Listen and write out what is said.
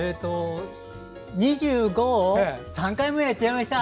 ２５を３回もやっちゃいました。